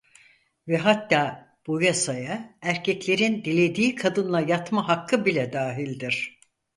Ve hatta bu yasaya erkeklerin dilediği kadınla yatma hakkı bile dahildir.